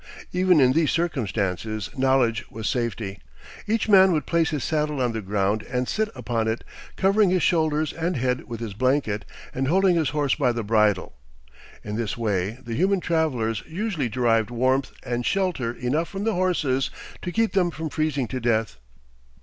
Even in these circumstances knowledge was safety. Each man would place his saddle on the ground and sit upon it, covering his shoulders and head with his blanket, and holding his horse by the bridle. In this way the human travelers usually derived warmth and shelter enough from the horses to keep them from freezing to death.